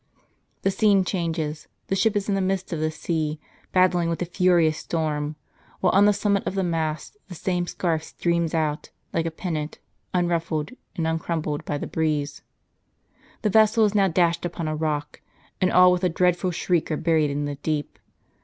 The scene changes ; the ship is in the midst of the sea, battling with a furious storm, while on the summit of the mast the same scarf streams out, like a pennant, unruffled and uncrum pled by the breeze. The vessel is now dashed upon a rock, and all with a dreadful shriek are buried in the deep.